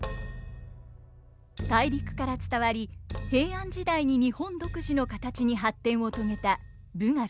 大陸から伝わり平安時代に日本独自の形に発展を遂げた舞楽。